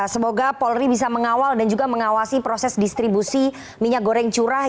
mereka akan mengawal dan juga mengawasi proses distribusi minyak goreng curah